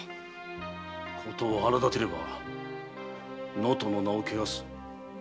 ことを荒立てれば能登の名を汚す。